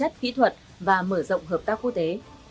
hãy đăng ký kênh để ủng hộ kênh của mình nhé